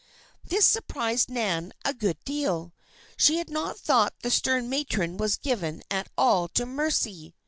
This surprised Nan a good deal. She had not thought the stern matron was given at all to mercy.